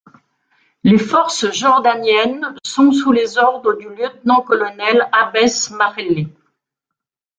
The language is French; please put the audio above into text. Les forces jordaniennes sont sous les ordres du lieutenant-colonel Habes Majelli.